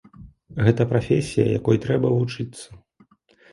Гэта прафесія, якой трэба вучыцца.